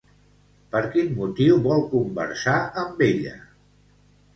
Per quin motiu vol conversar amb ella?